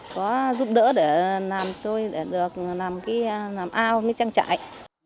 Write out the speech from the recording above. có giúp đỡ để làm tôi được làm ao với trang trại